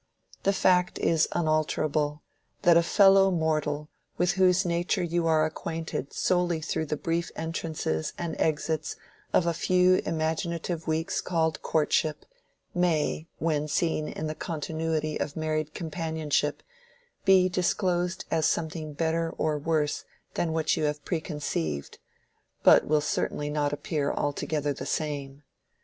The fact is unalterable, that a fellow mortal with whose nature you are acquainted solely through the brief entrances and exits of a few imaginative weeks called courtship, may, when seen in the continuity of married companionship, be disclosed as something better or worse than what you have preconceived, but will certainly not appear altogether the same.